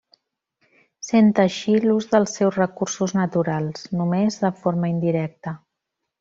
Sent així l'ús dels seus recursos naturals, només de forma indirecta.